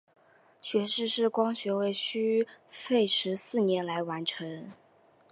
学士视光学位需费时四年来完成。